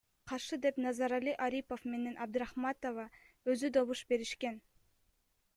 Каршы деп Назарали Арипов менен Абдрахматова өзү добуш беришкен.